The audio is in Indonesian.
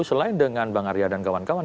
selain dengan bang arya dan kawan kawan